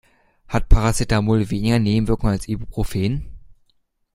Hat Paracetamol weniger Nebenwirkungen als Ibuprofen?